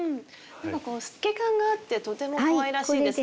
透け感があってとてもかわいらしいですね。